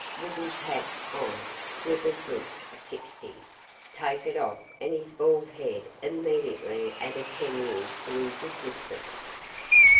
With his hat on Slivers looked sixty; take it off and his bald head immediately added ten years to his existence.